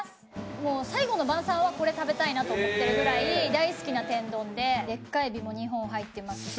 もう最後の晩餐はこれ食べたいなと思ってるぐらい大好きな天丼ででっかいエビも２本入ってますし。